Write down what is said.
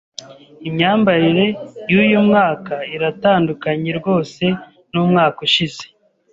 Imyambarire yuyu mwaka iratandukanye rwose nu mwaka ushize.